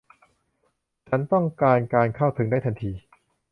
ฉันต้องการการเข้าถึงได้ทันที